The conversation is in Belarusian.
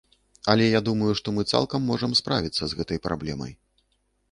Але я думаю, што мы цалкам можам справіцца і з гэтай праблемай.